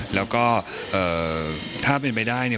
แล้วก็ถ้าเป็นไปได้เนี่ย